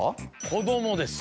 子供です。